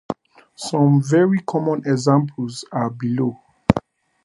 Some very common examples are below.